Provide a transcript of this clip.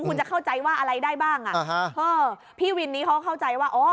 คุณจะเข้าใจว่าอะไรได้บ้างอ่ะพี่วินนี้เขาเข้าใจว่า